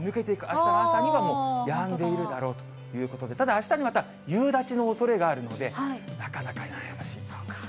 あしたの朝にはもうやんでいるだろうということで、ただ、あしたもまた夕立のおそれがあるので、なかなか悩ましい。